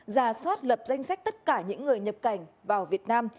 ra soát lập danh sách tất cả những người nhập cảnh vào việt nam